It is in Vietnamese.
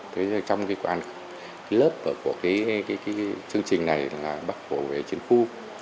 trong cái lớp của chương trình này là bắc hồ vế chiến khu